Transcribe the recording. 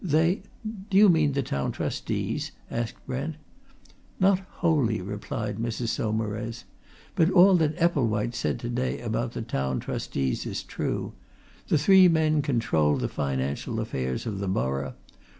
They " "Do you mean the Town Trustees?" asked Brent. "Not wholly," replied Mrs. Saumarez. "But all that Epplewhite said to day about the Town Trustees is true. The three men control the financial affairs of the borough.